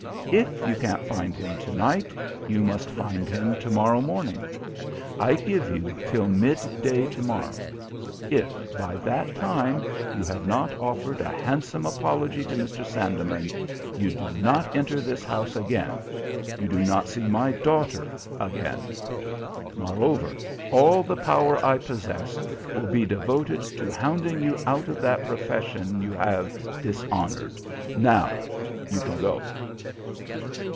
If you can't find him to night, you must find him to morrow morning. I give you till midday to morrow. If by that time you have not offered a handsome apology to Mr. Sandeman, you do not enter this house again, you do not see my daughter again. Moreover, all the power I possess will be devoted to hounding you out of that profession you have dishonoured. Now you can go."